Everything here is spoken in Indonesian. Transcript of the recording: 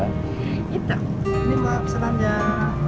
itu ini mau pesanan aja